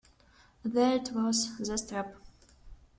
There it was, the step.